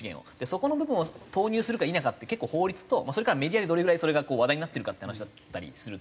そこの部分を投入するか否かって結構法律とそれからメディアでどれぐらいそれが話題になってるかっていう話だったりすると思うので。